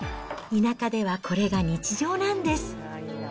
田舎ではこれが日常なんです。